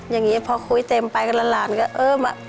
อย่างนี้พอคุยเต็มไปกับหลานก็เออมา